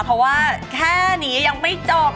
เพราะว่าแค่นี้ยังไม่จบ